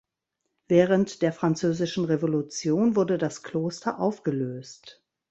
Während der Französischen Revolution wurde das Kloster aufgelöst.